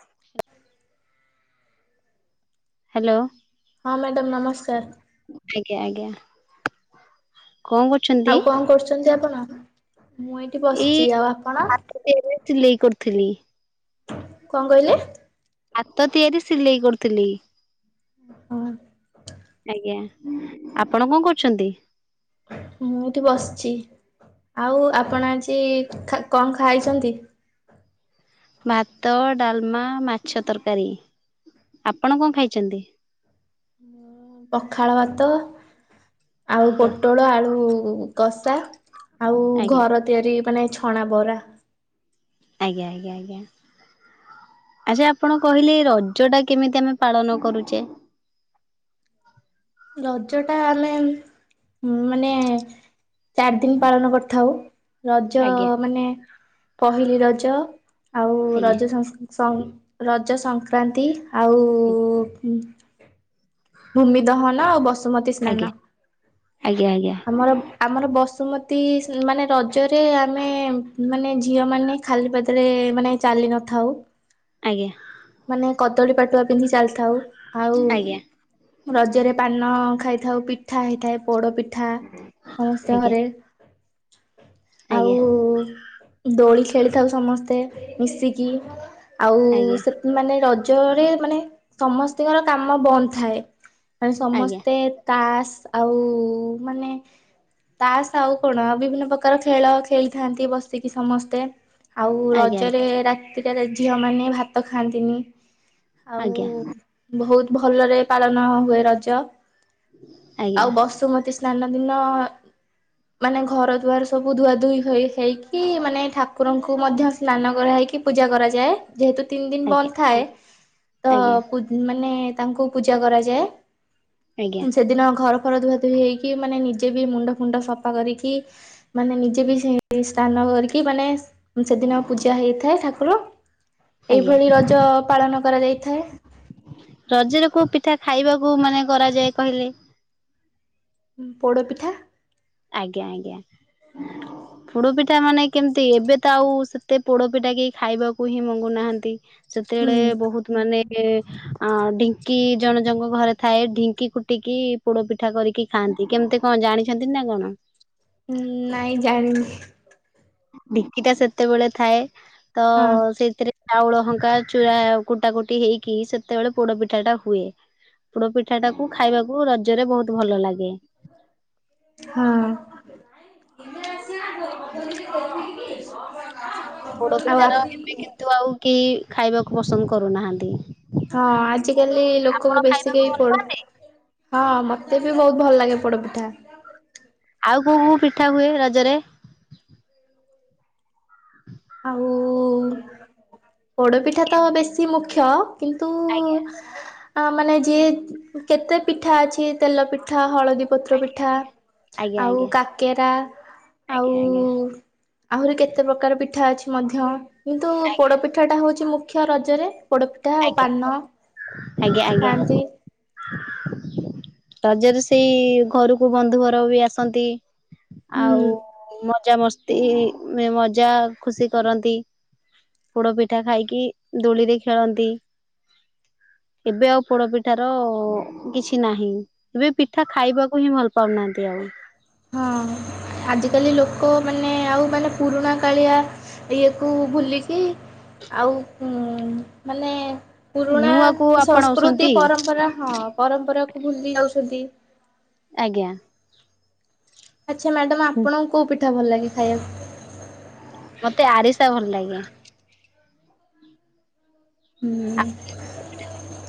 ହଁ ହ୍ୟାଲୋ ହଁ ମ୍ୟାଡ଼ାମ ନମସ୍କାର ଆଜ୍ଞା, ଆଜ୍ଞା କଣ କରୁଛନ୍ତି? ଆଉ କଣ କରୁଛନ୍ତି ଆପଣ ମୁଁ ଏଇଠି ଏଇ ବସିଛି ଆଉ ଆପଣ? ହାତ ତିଆରି ସିଲେଇ କରିଥିଲି। କଣ କହିଲେ? ହାତ ତିଆରି ସିଲେଇ କରୁଥିଲି ହଁ ଆଜ୍ଞା ଆପଣ କଣ କରୁଛନ୍ତି? ମୁଁ ଏଠି ବସିଛି ଆଉ ଆପଣ ଆଜି କଣ ଖାଇଛନ୍ତି? ଭାତ, ଡାଲମା, ମାଛ ତରକାରୀ ଆପଣ କଣ ଖାଇଛନ୍ତି? ପଖାଳ ଭାତ ଆଉ ଆଜ୍ଞା ପୋଟଳ ଆଳୁ କଷା ଆଉ ଆଜ୍ଞା ଘର ତିଆରି ମାନେ ଛଣା ବରା ଆଜ୍ଞା ଆଜ୍ଞା ଆଜ୍ଞା ଆଚ୍ଛା ଆପଣ କହିଲେ ରଜ ଟା କେମିତି ଆମେ ପାଳନ କରୁଛେ? ରଜ ଟା ଆମେ ମାନେ ଚାରି ଦିନ୍ ପାଳନ କରିଥାଉ। ରଜ ଆଜ୍ଞା ମାନେ ପହିଲି ରଜ ଆଉ ଆଜ୍ଞା ରଜ ସନ୍ ସ ରଜ ସଂକ୍ରାନ୍ତି ଆଉ ଆଜ୍ଞା ଭୂମି ଦହନ ଆଉ ବସୁମତୀ ଆଜ୍ଞା ସ୍ନାନ ଆଜ୍ଞା ଆମର ଆମର ବସୁ ବସୁମତୀ ମାନେ ରଜରେ ଆ ଚାଲି ନ ଥାଉ ଆଜ୍ଞା କଦଳୀ ପାଟୁଆ ପିନ୍ଧି ଚାଲିଥାଉ। ଆଉ ଆଜ୍ଞା ରଜରେ ପାନ ଖାଇଥାଉ ପିଠା ହେଇଥାଏ। ପୋଡ ପିଠା ସମସ୍ତେ ଆଜ୍ଞା ଘରେ ଆଉ ଆଜ୍ଞା ଦୋଳି ଖେଳିଥାଉ ସମସ୍ତେ ମିଶିକି ଆଉ ସେମାନେ ରଜରେ ମାନେ ସମସ୍ତଙ୍କର କାମ ବନ୍ଦ ଥାଏ ମାନେ ସମସ୍ତେ ତାସ୍ ଆଉ ମାନେ ତାସଆଉ କଣ ବିଭିନ୍ନ ପ୍ରକାର ଖେଳ ଖେଳିଥାନ୍ତି ବସିକି ସମସ୍ତେ ଆଉ ଆଜ୍ଞା ଆଜ୍ଞା ଆଜ୍ଞା ଆଜ୍ଞା ଆଜ୍ଞା ଆଜ୍ଞା ରଜରେ ରାତିଟାରେ ଝିଅ ମାନେ ଭାତ ଖାଆନ୍ତିନି ଆଉ ଆଜ୍ଞା ବହୁତ ଭଲରେ ପାଳନ ହୁଏ ରଜ ଆଉ ବସୁମତୀ ସ୍ନାନ ଦିନ ମାନେ ଘର ଦୁଆର ସବୁ ଧୁଆ ଧୁଇ ହୋଇ ହେଇକି ମାନେ ଠାକୁରଙ୍କୁ ମଧ୍ୟ ସ୍ନାନ କରାହ ି ପୂଜା କରାଯାଏ ଯେହେତୁ ତିନି ଦିନ ବନ୍ଦ ଥାଏ ତ ମାନେ ତାଙ୍କୁ ପୂଜା ଆଜ୍ଞା କରାଯାଏ ସେଦିନ ଘର ର ଧୁଆ ଧୁ ହେଇକି ମାନେ ନିଜେ ବି ମୁଣ୍ଡ ଫୁଣ୍ଡ ସଫା କରିକି ମାନେ ନିଜେ ବି ସେ ସ୍ଥାନ ି ମାନେ ସେଦିନ ପୂଜା ହେଇଥାଏ ଠାକୁର- ଆଜ୍ଞା ଆଜ୍ଞା ଏଇଭଳି ରଜ ପାଳନ କରାଯାଇଥାଏ ଏ ଖାଇବାକୁ ମାନେ କରାଯାଏ କହିଲେ ପୋଡ଼ ପିଠା- ଆଜ୍ଞା ଆଜ୍ଞା। ପୋଡପିଠା ମାନେ କେମତି ଏବେ ତ ଆଉ ସେତେ ପୋଡପିଠା କେହି ଖାଇବାକୁ ହିଁ ମଙ୍ଗୁନାହାନ୍ତି। ସେତେବେଳେ ହୁଁ। ବୋହୁତ ମାନେ ଏ ଅଁ ଢିଙ୍କି ଜଣ ଜଣଙ୍କ ଘରେ ଥାଏ ଢିଙ୍କି କୁଟିକି ପୋଡ ପିଠା କରିକି ଖାଆଁ ନ୍ତି କେମତି କଣ ଜାଣିଛନ୍ତି ନା କଣ? ଉଁ ନାଇଁ ଜାଣିନି ଢିଙ୍କିଟା ସେତେବେଳେ ଥାଏ ତ ହଁ ସେଇଥିରେ ଚାଉଳ ହଙ୍କା ଚୂରା କୁଟାକୁଟି ହେଇକି ସେତେବେଳେ ପୋଡ ପିଠାଟା ହୁଏ। ପୋଡ ପିଠାଟାକୁ ଖାଇବାକୁ ରଜରେ ବୋହୁତ ଭଲଲାଗେ। ହଁ। ପୋଡ ଆଉ ପିଠାର ହଁ ଏବେ କିନ୍ତୁ ଆଉ କେହି ଖାଇବାକୁ ପସନ୍ଦ କରୁନାହାନ୍ତି। ଆଜିକାଲି ଆପଣ ଲୋକଙ୍କୁ ବେଶୀ ଖାଇବାକୁ କେହି ଭଲ ପାଆନ୍ତି? ବୋହୁତ ଭଲଲାଗେ ପୋଡପିଠା। ଆଉ କୋଉ କୋଉ ପିଠା ହୁଏ ରଜରେ? ଆଉ ପୋଡପିଠା ତ ବେଶୀ ମୁଖ୍ୟ। କିନ୍ତୁ ଆଜ୍ଞା ଆ ମାନେ ଯିଏ କେତେ ପିଠା ଅଛି ତେଲ ପିଠା ହଳଦୀ ପତ୍ର ଆଜ୍ଞା ପିଠା ଆଜ୍ଞା ଆଜ୍ଞା ଆଉ ଆଜ୍ଞା କାକେରା। ଆଉ ଆଜ୍ଞା ଆହୁରି କେତେ ପ୍ରକାର ପି ପିଠା ଅଛି ମଧ୍ୟ କିନ୍ତୁ ପୋଡ ପିଠାଟା ହୋଉଚି ମୁଖ୍ୟ ରଜରେ। ପୋଡ଼ପିଠା ଆଉ ଆଜ୍ଞା। ପାନ। ଆଜ୍ଞା ଆଜ୍ଞା। ଖାଆନ୍ତି ରଜରେ ସେଇ ଘରୁକୁ ବନ୍ଧୁ ଘର ବି ଆସନ୍ତି। ହୁଁ ଆଉ ମଜାମସ୍ତି ମଜାଖୁସି କରନ୍ତି। ପୋଡ ପିଠା ଖାଇକି ଦୋଳିରେ ଖେଳନ୍ତି। ଏବେ ଆଉ ପୋଡପିଠାର କିଛି ନାହିଁ ଏବେ ପିଠା ଖାଇବାକୁ ହିଁ ଭଲ ପାଉନାହାନ୍ତି ଆଉ। [inaudible] ହଁ ଆଜିକାଲି ଲୋକମାନେ ଆଉ ମାନେ ପୁରୁଣା କାଳିଆ ଇଏକୁ ଭୁଲିକି ଆଉ ମାନେ ପୁରୁଣା ନୂଆକୁ ସଂସ୍କୃତି ଆପଣାଉଛନ୍ତି ପରମ୍ପରା ହଁ ପରମ୍ପରାକୁୁ ଭୁଲି ଯାଉଛନ୍ତି। ଆଜ୍ଞା। ଆଚ୍ଛା ମ୍ୟାଡ଼ମ୍ ଆପଣଙ୍କୁ କୋଉ ପିଠା ଭଲଲାଗେ ଖାଇବାକୁ? ମତେ ଆରିସା ଭଲଲାଗେ। ହୁଁ। [inaudible]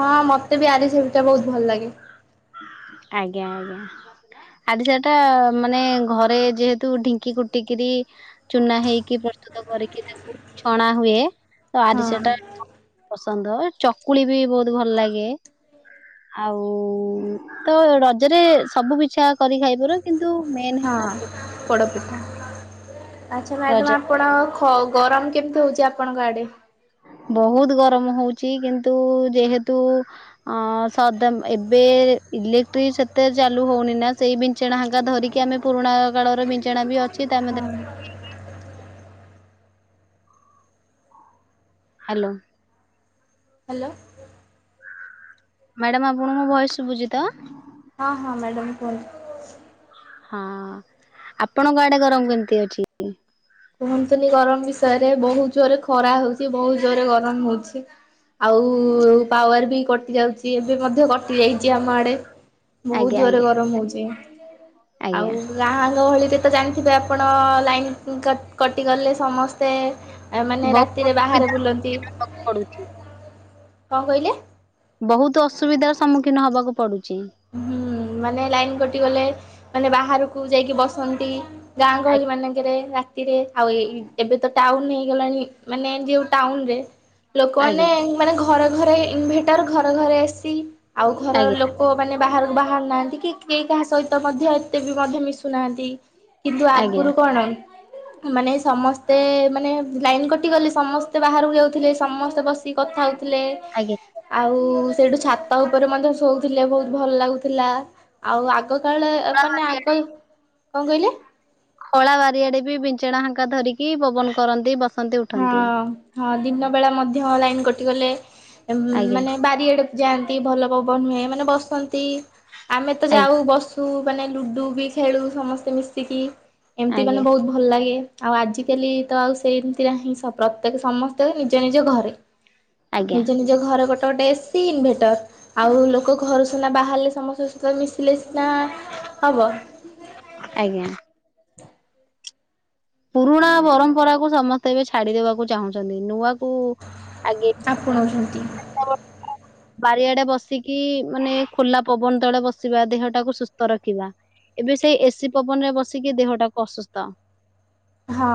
ହଁ ମତେ ବି ଆରିସା ପିଠା ବହୁତ ଭଲଲାଗେ। ଆଜ୍ଞା ଆଜ୍ଞା। ଆରିସାଟା ମାନେ ଘରେ ଯେହେତୁ ଢିଙ୍କି କୁଟିକିରି ଚୁନା ହେଇକି ପ୍ର ପ୍ରସ୍ତୁତ କରିକି ତାକୁ ଛଣା ହୁଏ ତ ହଁ ଆରିସାଟା ମୋର ପସ ନ୍ଦ ଚକୁଳି ବି ବୋହୁତ ଭଲଲାଗେ ଆଉ ଉ ତ ରଜରେ ସବୁ ପିଛା କରି ଖାଇପାରିବ କିନ୍ ହଁ ପୋଡ଼ପିଠା। ଆଚ୍ଛା ରଜ ମ୍ୟାଡାମ ଆପଣ ଖ-ଗରମ କେମତି ହୋଉଛି ଆପଣଙ୍କ ଆଡେ? [inaudible] ବୋହୁତ ଗରମ ହୋଉଚି କିନ୍ତୁ ଯେହେତୁ ଅ ସଦମ୍ ଏବେ ଇଲେକ୍ଟଟ୍ରି ସେତେ ଚାଲୁ ହୋଉନି ନା ସେଇ ବିଛଣା ହଙ୍କା ଧରିକି ଆମେ ପୁରୁଣା କାଳର ବିଛଣା ବି ଅ ହଁ। ହାଲୋ। ହାଲୋ। ମ୍ୟାଡାମ ଆପଣଙ୍କୁ ମୋ ଭଏସ ସୁବୁଚି ତ? ହଁ ହଁ ମ୍ୟାଡ଼ାମ କୁହନ୍ତୁ। ହଁ ଆପଣଙ୍କ ଆଡେ ଗରମ କେମିତି ଅଛି କୁହନ୍ତୁନି ଗରମ ବିଷୟରେ ବହୁତ ଜୋରେ ଖରା ହଉଛି ବହୁତ ଜୋରରେ ଗରମ ହଉଛି। ଆଉ ପାୱାର ବି କଟି ଯାଉଛି ଏବେ ମଧ୍ୟ କଟି ଯାଇଛି ଆମ ଆଡେ ବହୁତ ଆଜ୍ଞା ଜୋରରେ ଆଜ୍ଞା ଗରମ ହଉଛି ଆଜ୍ଞା ଆଉ ଗାଁ ଗହଳିରେ ତ ଜାଣିଥିବେ ଆପଣ ଲାଇନ କଟିଗଲେ ସମସ୍ତେ ଆ ମାନେ ବହୁତ ରାତିରେ ବାହାରେ ଅସୁବିଧାର ବୁଲନ୍ତି ଦିନ ହବାକୁ ପଡୁଛି। କଣ କହିଲେ ବହୁତ ଅସୁବିଧାର ସମ୍ମୁଖୀନ ହବାକୁ ପଡୁଛି। ହୁଁ ମାନେ ଲାଇନ୍ କଟିଗଲେ ମାନେ ବାହାରକୁ ଯାଇକି ବସନ୍ତି ଗାଁ ଗହଳି ଆଜ୍ଞା ମାନଙ୍କରେ ରାତିରେ ଆଉ ଏଇ ଏବେ ତ ଟାଉନ ଆଜ୍ଞା [unintelligible] ଘରେ ଘରେ ଇନଭେଟର ଘରେ ଘରେ ଏସି ଆଉ ଘର ଲୋ ମାନେ ବାହାରକୁ ବାହାରୁ ନାହାନ୍ତି କି କେହି କାହା ସହିତ ମଧ୍ୟ ଏତେ ବି ମଧ୍ୟ ମିଶୁନାହାଁନ୍ତି। କିନ୍ତୁ ଆଜ୍ଞା ଆଗରୁ କଣ? ମାନେ ସମସ୍ତେ ମାନେ ଲାଇନ କଟିଗଲେ ସମସ୍ତେ ବାହାରକୁ ଯାଉଥିଲେ ସମସ୍ତେ ବସି କଥା ହଉଥିଲେ ଆଜ୍ଞା। ଆଉ ସେଠୁ ଛାତ ଉପରେ ମଧ୍ୟ ସୋ ଥିଲେ ବହୁତ ଭଲ ଲାଗୁଥିଲା ଆଉ ଆଗ କାଳ [unintelligible] ମାନେ ଆଗ କଣ କହିଲେ? ଖଳା ବାରିଆଡେ ବି ଚେଣାାହାାଙ୍କା ଧରିକି ପବନ କରନ୍ତି ବସ [unintelligible] ହଁ ହଁ ଦିନ ବେଳା ମଧ୍ୟ ଲାଇନ କଟିଗଲେ ଉମ ଆଜ୍ଞା ମାନେ ବାରି ଆଡେକୁ ଯାଆନ୍ତି ଭଲ ପବ ନୁହେଁ ମାନେ ବସନ୍ତି ଏ ଆମେ ତ ଯାଉ ଆଜ୍ଞା ବସୁ ମାନେ ଲୁଡ଼ୁ ବି ଖେଳୁ ସମସ୍ତେ ମିଶିକି ଏମିତି ଆଜ୍ଞା ମାନେ ବହୁତ ଭଲ ଲାଗେ ଆଉ ଆଜିକାଲି ତ ଆଉ ସେଇ ହିଁ ପ୍ରତ୍ୟେକ ସମସ୍ତେ ନିଜ ନିଜ ଘରେ ଆଜ୍ଞା ନିଜ ନିଜ ଘରେ ଗୋଟେ ଟ ଗୋଟେ ଏସି ଇନଭେଟର ଆଉ ଲୋକ ଘର ସୁନା ବାହାରିଲେ ସମସ୍ତେ ମିଶିଲେ ନା ହବ ଆଜ୍ଞା। [unintelligible] ପୁରୁଣା ପରମ୍ପରାକୁୁ ସମସ୍ତେ ଏବେ ଛାଡିଦବାକୁ ଚାହୁଁଛନ୍ତି ନୂଆ ଆପଣଉଛନ୍ତି। ବାରିଆଡେ ବସିକି ମାନେ ଖୋଲା ପବନ ତଳେ ବସିବା ଦେହଟାକୁ ସୁସ୍ଥ ରଖିବା। ଏବେ ସେଇ ଏସି ପବନରେ ବସିକି ଦେହଟାକୁ ଅସୁସ୍ଥ ହଁ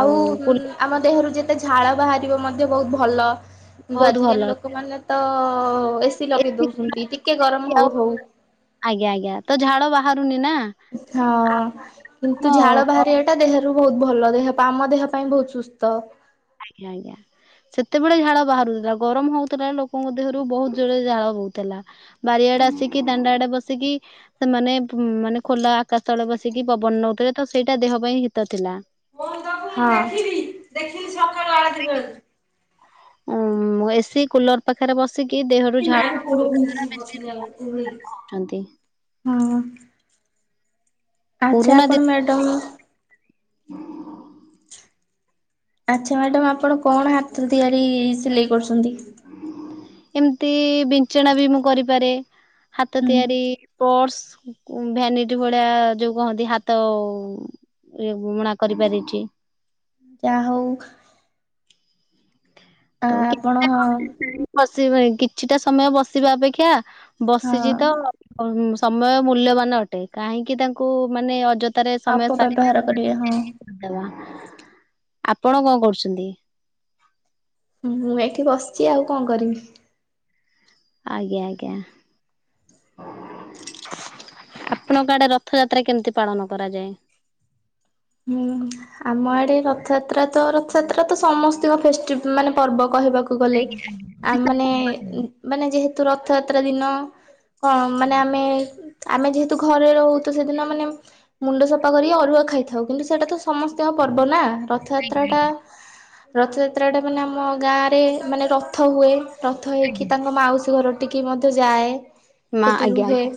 ଆଉ ଆମ ଦେହରୁ ଯେତେ ଝାଳ ବାହାରିବ ମଧ୍ୟ ବହୁତ ଭଲ କିନ୍ତୁ ବହୁତ ଆଜିକାଲି ଭଲ। ଲୋକମାନେ ତ ଏସି ଲଗେଇ ଦଉଛନ୍ତି ଟିକେ ଗରମ ଆଉ ହଉ ହଉ ହାରୁନି ନା ହଁ କିନ୍ତୁ ହଁ ଝାଳ ବାହାରିବା ଟା ଦେହରୁ ବହୁତ ଭଲ ଦେହ ଆମ ଦେହ ପାଇଁ ବହୁତ ସୁସ୍ଥ।। ଆଜ୍ଞା ଆଜ୍ଞା। ସେତେବେଳେ ଝାଳ ବାହାରୁଥିଲା ଗରମ ହଉଥିଲା ଲୋକଙ୍କ ଦେହରୁ ବହୁତ ଜୋର ଝାଳ ବହୁଥିଲା ବାରିଆ ଡେ ଆସିକି ଦାଣ୍ଡା ଆଡେ ବସିକି ସେମାନେ ମାନେ ଖୋଲା ଆକାଶ ତଳେ ବସିକି ପବନ ନଉଥିଲେ ସେଇଟା ଦେହ ପାଇଁ ହିତ ଥିଲା ମୁଁ ତ ଦେଖିବି ଦେଖିନି ସକାଳୁ ଆଳ ଦ ବ ଉ ଏସି କୁଲର ପାଖରେ ବସ ମ ପର ପଁତିରିଶଶ ବଛର ଆ ଛନ୍ତି। ହଁ ଆଚ୍ଛା ଆପଣ ମ୍ୟାଡ଼ମ ହ [unintelligible] ଆଚ୍ଛା ମ୍ୟାଡାମ ଆପଣ କଣ ହାତର ତିଆରି ସିଲେଇ କରୁଛନ୍ତି। ଏମିତି ବିଛଣା ବି ମୁଁ କରିପାରେ ହାତ ହୁଁ ତିଆରି ପର୍ସ ଭ୍ୟାନିଟି ଭଳିଆ ଯୋଉ କହନ୍ତି ହାତ ଇ ବମଣା କରିପାରିଛି ଯା ହଉ ଆ ଆପଣ ହ ସେ କିଛିଟା ସମୟ ବସିବା ଅପେକ୍ଷା ବସିଛି ହଁ ତ ସମୟ ମୂଲ୍ୟବାନ ଅଟେ, କାହିଁକି ତାଙ୍କୁ ମାନେ ଅଯଥା ରେ ସମୟ ସାରିବା ଅପବ୍ୟବହାର କରିବେ ହଁ କରିଦବା ଆପଣ କଣ କରୁଛନ୍ତି? ହଁ ମୁଁ ଏଠି ବସିଛି ଆଉ କଣ କରିବି? ଆଜ୍ଞା ଆଜ୍ଞା ଆପଣଙ୍କ ଆଡେ ରଥଯାତ୍ରା କେମିତି ପାଳନ କରାଯାଏ [inaudible] ହୁଁ ଆମ ଆଡେ ରଥଯାତ୍ରା ତ ରଥଯାତ୍ରା ତ ସମସ୍ତଙ୍କ ଫେଷ୍ଟି ମାନେ ପର୍ବ କହିବାକୁ କ ଗଲେ ଆ ମାନେ ମାନେ ଯେହେତୁ ରଥଯାତ୍ରା ଦିନ କଣ ମାନେ ଆମେ ଆମେ ଯେହେତୁ ଘରେ ରହୁ ତ ସେଦିନ ମାନେ ମୁଣ୍ଡ ସଫା କରି ଅରୁଆ ଖାଇଥା ଥାଉ କିନ୍ତୁ ସେଇଟା ତ ସମସ୍ତଙ୍କ ପର୍ବ ନା ରଥଯାତ୍ରା ଟା ରଥଯାତ୍ରାଟା ମାନେ ଆମ ଗାଁ ରେ ମାନେ ରଥ ହୁଏ, ରଥ ହେଇକି ତାଙ୍କ ମାଉସୀ ଘର ଟିକେ ମଧ୍ୟ ଯାଏ ମା ସେଠି ଆଜ୍ଞା ରୁହେ ଆଜ୍ଞା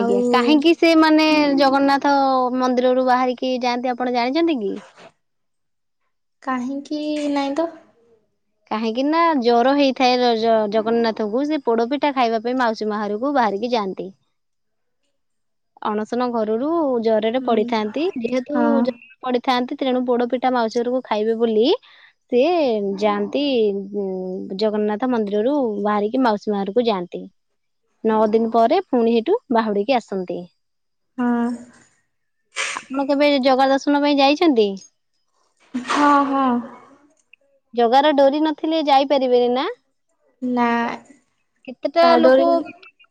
ଆଉ କାହିଁକି ସେମାନେ ଜଗନ୍ନାଥ ମନ୍ଦିରରୁୁ ବାହାରିକି ଯାଆନ୍ତି ଆପଣ ଜାଣିଛନ୍ତି କି? କାହିଁକି ନାହିଁ ତ କାହିଁକି ନା ଜ୍ଵର ହେଇଥାଏ ଜଗନ୍ନାଥଙ୍କୁ ସେ ପୋଡପିଠା ଖାଇବା ପାଇଁ ମାଉସୀ ମା ଘରକୁ ବାହାରିକି ଯାଆନ୍ତି, ଅଣସନ ଘରରୁ ଜରରେ ହୁଁ ପଡିିଥାନ୍ତି ଯେହେତୁ ହଁ ଜରରେ ପଢିଥାନ୍ତି ତେଣୁ ପୋଡ ପିଠା ମାଉସୀ ଘରକୁ ଖାଇବେ ବୋଲି ସେି ଯାଆନ୍ତି ଉ ଜଗନ୍ନାଥ ମନ୍ଦିରରୁ ବାହାରିକି ମାଉସୀ ମାଘରକୁ ଯାଆନ୍ତି ନଅ ଦିନ ପରେ ପୁଣି ହେଠୁ ବାହୁଡିକି ଆସନ୍ତି। ହଁ। ଆପଣ କେବେ ଜଗା ଦର୍ଶନ ପାଇଁ ଯାଇଛନ୍ତି? ହଁ ହଁ ଜଗାର ଡୋରି ନଥିଲେ ଯାଇପାରିବେନି ନା? ନା କେତେଟା ତା ଡୋରି ଲୋକ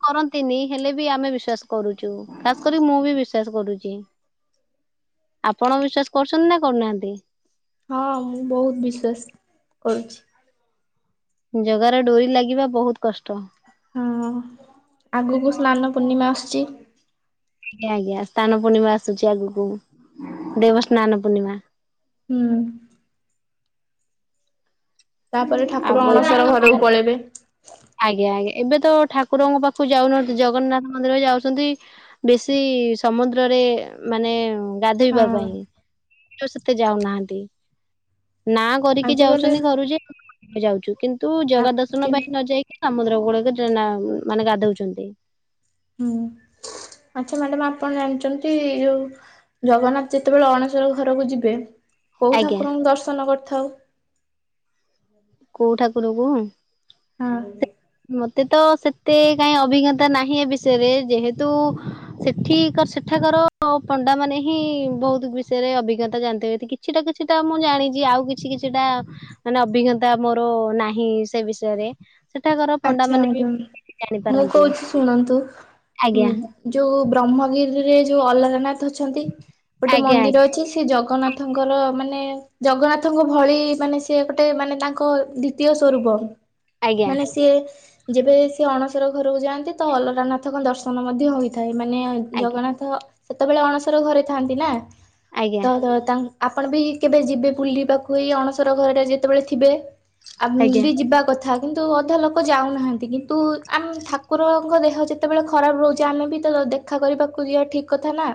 କରନ୍ତି? ତିନି ହେଲେ ବି ଆମେ ବିଶ୍ଵାସ କରୁଛୁ ଖାସ କରି ମୁଁ ବି ବିଶ୍ଵାସ କରୁଛି। ଆପଣ ବିଶ୍ଵାସ କରୁଛନ୍ତି ନା କରୁନାହାନ୍ତି? ହଁ ମୁଁ ବହୁତ ବିଶ୍ଵାସ କରୁଛି। ଜଗା ର ଡୋରି ଲାଗିବା ବହୁତ କଷ୍ଟ। ହଁ ଆଗକୁ ସ୍ନାନ ପୂର୍ଣ୍ଣିମା ଆସୁଛି। ଆଜ୍ଞା ଆଜ୍ଞା, ସ୍ନାନ ପୂର୍ଣ୍ଣିମା ଆସୁଛି ଆଗକୁ, ଦେବସ୍ନାନ ପୂର୍ଣ୍ଣିମା। ହୁଁ। ତାପରେ ଠାକୁର ଆଉ ଏବେ ଅଣସର ତ ଘରକୁ ପଳେଇବେ। ଆଜ୍ଞା ଆଜ୍ଞା ଏବେ ତ ଠାକୁରଙ୍କ ପାଖକୁ ଯାଉନାହାନ୍ତି, ଜଗନ୍ନାଥ ମନ୍ଦିର ଯାଉଛନ୍ତି, ବେଶୀ ସମୁଦ୍ରରେ ମାନେ ଗାଧୋଇବା ହଁ ପାଇଁ ସେତେ ଯାଉନାହାନ୍ତି। ନା କରିକି ଆଜିକାଲି ଯାଉଛନ୍ତି ଘରୁ ଯେ ଯାଉଛୁ କିନ୍ତୁ ଆ ଜଗା ଦର୍ଶନ ପାଇଁ ନ ଯାଇକି ସମୁଦ୍ର ଗୁଡ ଯୈନା ମାନେ ଗାଧଉଛନ୍ତି। [unintelligible] ହୁଁ। ଆଚ୍ଛା ମ୍ୟାଡାମ, ଆପଣ ଜାଣିଛନ୍ତି ଯୋଉ ଜଗନ୍ନାଥ ଯେତେବେଳେ ଅଣସର ଘରକୁ ଯିବେ କୋଉ ଆଜ୍ଞା ଠାକୁରଙ୍କୁ ଦର୍ଶନ କରିଥାଉ- କୋଉ ଠାକୁର କୁ ହଁ। ମତେ ତ ସେତେ କାହି ଅଭିଜ୍ଞତା ନାହିଁ ଏ ବିଷୟରେ, ଯେହେତୁ ସେଠି କର ସେଠା ପଣ୍ଡା ମାନେ ହିଁ ବହୁତ ବିଷୟରେ ଅଭିଜ୍ଞତା ଜାଣିଥିବେ କିଛିଟା କିଛିଟା ମୁଁ ଜାଣିଛି ଆଉ ଆଉ କିଛି କିଛିଟା ମାନେ ଅଭିଜ୍ଞତା ମୋର ନାହିଁ ସେ ବିଷୟରେ ସେଠାକାର ପଣ୍ଡା ଆଚ୍ଛା ମାନେ ବି ମ୍ୟାଡାମ ମୁଁ ଜାଣିପାରନ୍ତି କହୁଚି ଶୁଣନ୍ତୁ। ଆଜ୍ଞା ଉମ୍ ଯୋଉ ବ୍ରହ୍ମଗିରିରେ ରେ ଯୋଉ ଅଲାରାନଥ ଅଛନ୍ତି। ଗୋଟେ ଆଜ୍ଞା ଆଜ୍ଞା ମନ୍ଦିର ଅଛି। ସେ ଜଗନ୍ନାଥଙ୍କର ମାନେ ଜଗନ୍ନାଥଙ୍କ ଭଳି ମାନେ ସେ ଗୋଟେ ମାନେ ତାଙ୍କ ଦ୍ଵିତୀୟ ସ୍ୱରୂପ। ଆଜ୍ଞା। ମାନେ ସିଏ ଯେବେ ସିଏ ଅଣସର ଘରକୁ ଯାଆନ୍ତି ତ ଅଲାର ନାଥଙ୍କ ଦର୍ଶନ ମଧ୍ୟ ହୋଇଥାଏ। ମାନେ ଆଜ୍ଞା ଜଗନ୍ନାଥ ସେତବେଳେ ଅଣସର ଘରେ ଥାଆନ୍ତି ନା ତ ଆଜ୍ଞା ତାଙ୍କ ଆପଣ ବି କେବେ ଯିବେ ବୁଲିବାକୁ ଏଇ ଅଣସର ଘରେ ଯେତେବେଳେ ଥିବେ। ଆମ୍ ଆଜ୍ଞା। ବି ଯିବା କଥା କିନ୍ତୁ ଅଧା ଲୋକ୍- ଲୋକ ଯାଉନାହାନ୍ତି। କିନ୍ତୁ ଆମ ଠାକୁରଙ୍କ ଦେହ ଯେତେବେଳେ ଖରାପ ରହୁଛି ଆମେ ବି ତ ଯାଉଛୁ ଦେଖ୍ ଦେଖା କରିବାକୁ ଯିବା ଠିକ୍ କଥା ନା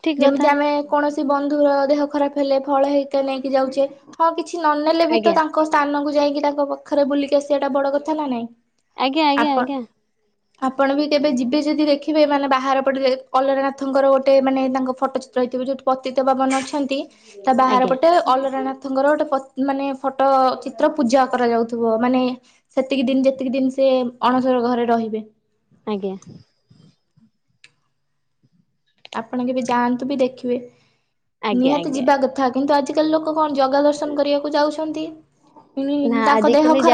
ଠିକ କଥା ଯେମିତି ଆମେ କୌଣସି ବନ୍ଧୁର ଦେହ ଖରାପ ହେଲେ ଫଳ ହେଇକା ନେଇକି ଯାଉଚେ। ହଁ କିଛି ନ ନେଲେ ବି ତ ଆଜ୍ଞା ତାଙ୍କ ସ୍ଥାନକୁ ଯାଇଁକି ତାଙ୍କ ପାଖରେ ବୁଲିକି ଆସିବା ଟା ବଡ କଥା ନା ନାଇଁ। ଆଜ୍ଞା ଆଜ୍ଞା ଆପଣ ଆଜ୍ଞା ଆପଣ ବି କେବେ ଯିବେ ଯଦି ଦେଖ ଥିବେ ମାନେ ବାହାର ପଟରେ ଅଲରନାଥଙ୍କର ଗୋଟେ ମାନେ ତାଙ୍କ ଫଟୋ ଚିତ୍ର ହେଇଥିବ। ଯୋଉଠି ପତିତପାବନ ଅଛନ୍ତି। ତା ବାହାର ଆଜ୍ଞା ପଟେ ଅଲାରା ନାଥଙ୍କର ଗୋଟେ ଫୋଟୋ ମାନେ ଫଟୋ ଚିତ୍ର ପୂଜା କରାଯାଉଥିବ। ମାନେ ସେତିକି ଦିନ ଯେତିକି ଦିନ ସେ ଅଣସର ଘରେ ରହିବେ। ଆଜ୍ଞା ଆପଣ କେବେ ଯାଆନ୍ତୁ ବି ଦେଖିବେ। ଆଜ୍ଞା ନିହାତି ଆଜ୍ଞା ଯିବା ଆଜ୍ଞା କଥା। କିନ୍ତୁ ଆଜିକାଲି ଲୋକ- କଣ ଜଗା ଦର୍ଶନ କରିବାକୁ ଯାଉଛନ୍ତି। ହିଁ ନା ତାଙ୍କ ଦେହ ଆଜିକାଲି ଖରାପ